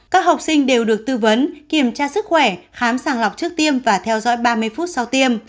các học sinh đều được tư vấn kiểm tra sức khỏe khám sàng lọc trước tiên và theo dõi ba mươi phút sau tiêm